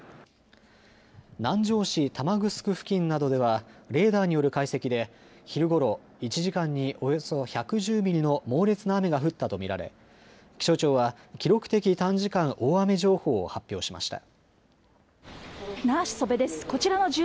南城市玉城付近などではレーダーによる解析で昼ごろ１時間におよそ１１０ミリの猛烈な雨が降ったと見られ、気象庁は記録的短時間大雨情報を発表しました。